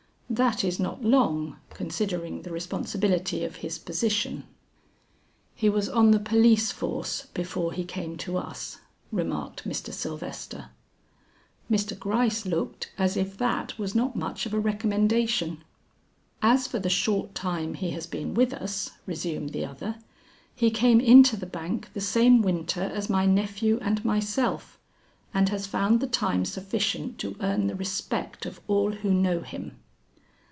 "That is not long, considering the responsibility of his position." "He was on the police force before he came to us," remarked Mr. Sylvester. Mr. Gryce looked as if that was not much of a recommendation. "As for the short time he has been with us," resumed the other, "he came into the bank the same winter as my nephew and myself, and has found the time sufficient to earn the respect of all who know him."